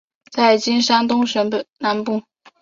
在今山东省南部。